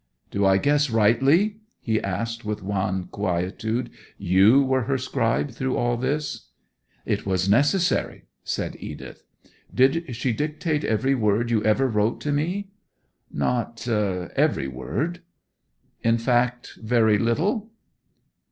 'Do I guess rightly?' he asked, with wan quietude. 'You were her scribe through all this?' 'It was necessary,' said Edith. 'Did she dictate every word you ever wrote to me?' 'Not every word.' 'In fact, very little?